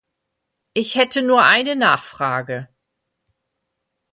Ich hätte nur eine Nachfrage.